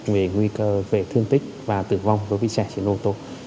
về nguy cơ về thương tích và tử vong của vị trẻ trên ô tô